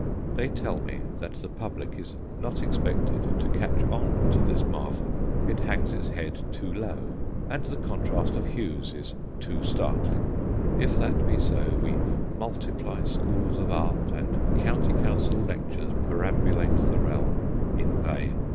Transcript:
They tell me that the public is not expected to "catch on" to this marvel. It hangs its head too low, and the contrast of hues is too startling. If that be so, we multiply schools of art and County Council lectures perambulate the realm, in vain.